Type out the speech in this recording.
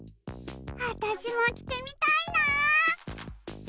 あたしもきてみたいな！